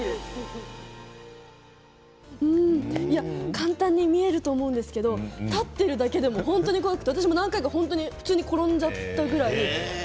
簡単に見えると思うんですけれど立っているだけでも怖くて私も何回か普通に転んじゃったぐらい。